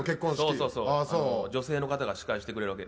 そうそうそう、女性の方が司会してくれるわけで。